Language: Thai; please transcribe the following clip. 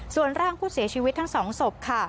ส่วนร่างผู้เสียชีวิตทั้ง๒ศพค่ะ